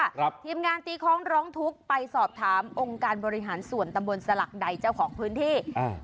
ทีมงานตีคล้องร้องทุกข์ไปสอบถามองค์การบริหารส่วนตำบลสลักใดเจ้าของพื้นที่อ่า